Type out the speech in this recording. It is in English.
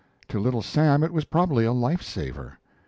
To Little Sam it was probably a life saver.